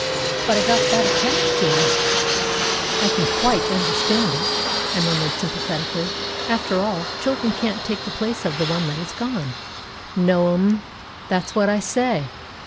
But I got that attached to 'un." "I can quite understand it," I murmured sympathetically. "After all, children can't take the place of the one that is gone." "No, m'm; that's what I say."